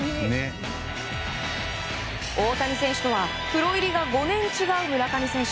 大谷選手とはプロ入りが５年違う村上選手。